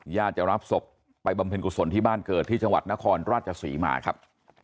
ญาติจะรับศพไปบำเพ็ญกุศลที่บ้านเกิดที่จังหวัดนครราชศรีมาครับ